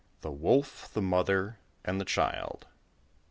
THE WOLF, THE MOTHER, AND THE CHILD.